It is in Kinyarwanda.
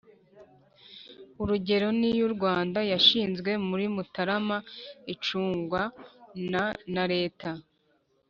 urugero ni y'u Rwanda yashinzwe muri mutarama icungwa na na Leta.